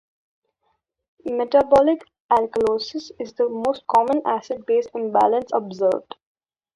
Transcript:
Metabolic alkalosis is the most common acid-base imbalance observed.